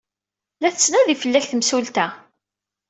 La tettnadi fell-ak temsulta.